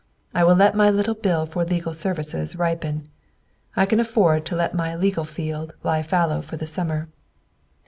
I will let my little bill for "legal services" ripen. I can afford to let my 'legal field' lie fallow for the summer."